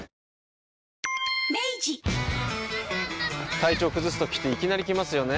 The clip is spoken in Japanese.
体調崩すときっていきなり来ますよね。